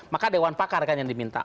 maka dewan pakar kan yang diminta